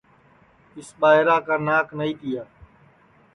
اِس ٻائیرا کا ناک نائی تیا